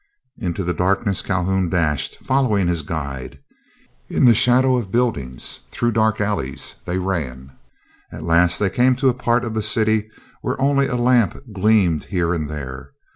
Into the darkness Calhoun dashed, following his guide. In the shadow of buildings, through dark alleys, they ran. At last they came to a part of the city where only a lamp gleamed here and there.